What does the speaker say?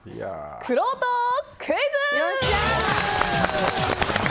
くろうとクイズ！